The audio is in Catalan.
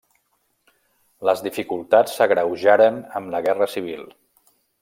Les dificultats s'agreujaren amb la Guerra Civil.